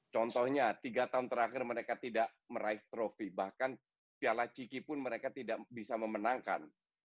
contohnya tiga tahun terakhir mereka tidak meraih trofi bahkan di piala ciki pun mereka tidak bisa memenangkan